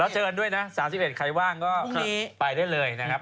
เชิญด้วยนะ๓๑ใครว่างก็ไปได้เลยนะครับ